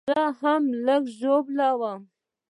زه هم لږ ژوبل وم